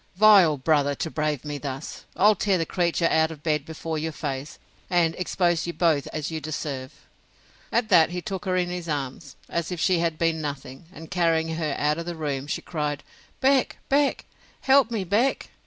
Vile brother, to brave me thus! I'll tear the creature out of bed before your face, and expose you both as you deserve. At that he took her in his arms, as if she had been nothing; and carrying her out of the room, she cried out, Beck! Beck! help me, Beck!